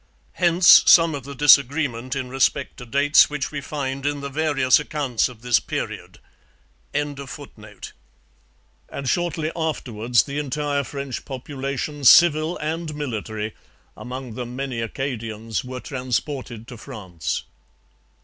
Hence some of the disagreement in respect to dates which we find in the various accounts of this period.] and shortly afterwards the entire French population, civil and military, among them many Acadians, were transported to France.